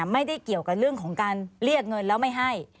ไม่ได้เกี่ยวกับเรื่องของการเรียกเงินแล้วไม่ให้